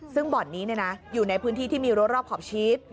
ซึ่งบ่อนนี้อยู่ในพื้นที่ที่มีรัวรอบขอบชีส